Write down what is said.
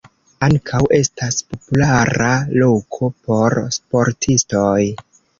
Ankaŭ estas populara loko por sportistoj.